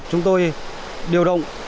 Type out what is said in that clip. chúng tôi điều động ba mươi